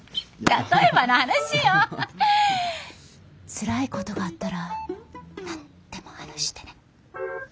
つらいことがあったら何でも話してね。